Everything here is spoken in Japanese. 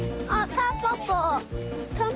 タンポポ。